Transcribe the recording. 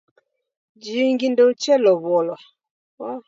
Jingi ndeuchelow'olwa!